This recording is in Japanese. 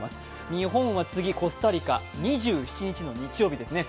日本は次、コスタリカ、２７日の日曜日ですね。